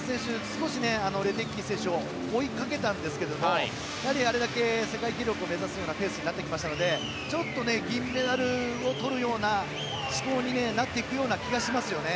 少しレデッキー選手を追いかけたんですがあれだけ世界記録を目指すようなペースになってきましたので銀メダルを取るような思考になっていく気がしますよね。